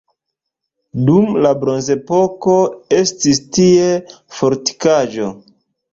Dum la bronzepoko estis tie fortikaĵo.